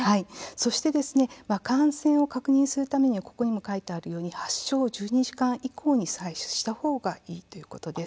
そして、感染を確認するためにここにも書いてあるように発症１２時間以降に採取した方がいいということです。